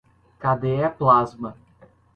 kde plasma